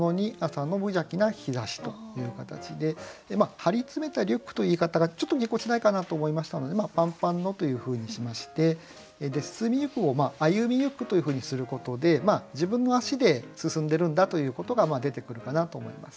「張り詰めたリュック」という言い方がちょっとぎこちないかなと思いましたので「ぱんぱんの」というふうにしまして「進みゆく」を「歩みゆく」というふうにすることで自分の足で進んでるんだということが出てくるかなと思います。